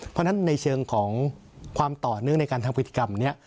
เพราะฉะนั้นในเชิงของความต่อเนื่องในการทำพฤติกรรมนี้